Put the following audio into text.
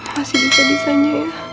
masih bisa bisanya ya